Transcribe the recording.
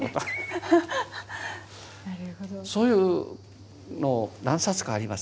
そういうの何冊かあります。